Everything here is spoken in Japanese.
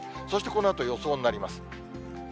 そしてこのあと、予想になります。